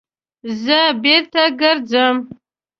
_زه بېرته ګرځم.